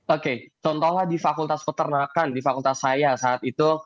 oke contohnya di fakultas peternakan di fakultas saya saat itu